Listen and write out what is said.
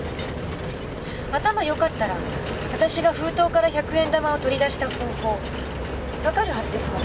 頭良かったら私が封筒から１００円玉を取り出した方法わかるはずですもんね。